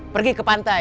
pergi ke pantai